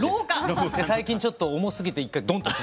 最近ちょっと重すぎて一回ドンと。